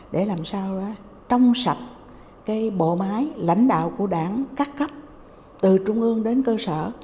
để làm sao trong sạch cái bộ máy lãnh đạo của đảng các cấp từ trung ương đến cơ sở